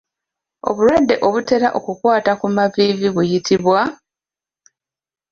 Obulwadde obutera okukwata ku maviivi buyitibwa?